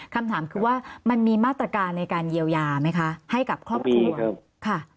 คำถามคือว่ามันมีมาตรการในการเยียวยาไหมคะให้กับครอบครัวค่ะ